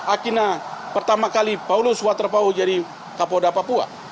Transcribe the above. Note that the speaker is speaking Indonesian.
akhirnya pertama kali paulus waterpau jadi kapolda papua